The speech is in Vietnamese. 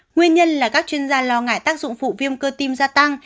nguyên nhân là các chuyên gia lo ngại tác dụng phụ viêm cơ tim gia tăng